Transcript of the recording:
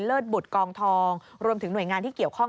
บุตรกองทองรวมถึงหน่วยงานที่เกี่ยวข้อง